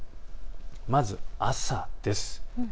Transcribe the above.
まず朝です。